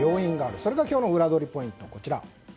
それが今日のウラどりポイント。